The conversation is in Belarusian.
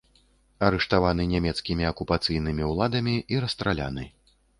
Арыштаваны нямецкімі акупацыйнымі ўладамі і расстраляны.